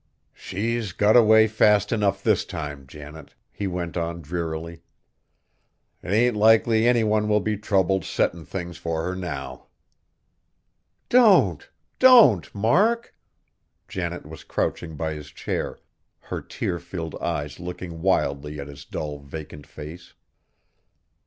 "She's got away fast enough this time, Janet," he went on drearily; "'t ain't likely any one will be troubled settlin' things fur her now." "Don't! don't! Mark." Janet was crouching by his chair, her tear filled eyes looking wildly at his dull, vacant face.